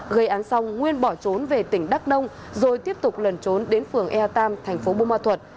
gây án xong nguyên bỏ trốn về tỉnh đắk nông rồi tiếp tục lần trốn đến phường ea tam thành phố bù ma thuật